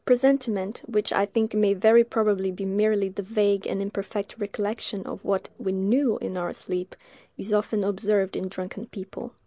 Presentiment, which I think may very probably be merely the vague and imperfect recollection of what we knew in our sleep, is often observed in drunken people.